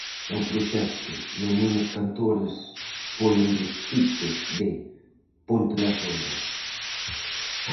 O proxecto "Meninos cantores" foi un dos fitos de "Ponte... nas ondas!"